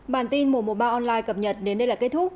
bản tin mùa mùa ba online cập nhật đến đây là kết thúc